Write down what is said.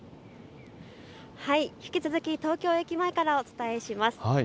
引き続き東京駅前からお伝えします。